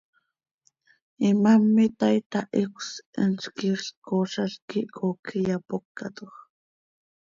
Imám itaai, tahicös, eentz quiixlc coozalc quih coocj iyapócatoj.